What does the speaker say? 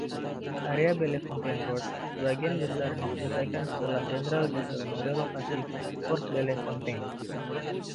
Area Bellefontaine Road sebagian besar diselesaikan setelah Jenderal Bissell merelokasi Fort Bellefontaine.